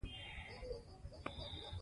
کار وکه، خو مینت د چا پر ځان مه وړه.